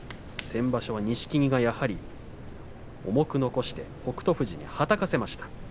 先場所は錦木が重く残して北勝富士に、はたかせました。